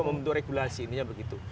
untuk membuat regulasi ininya begitu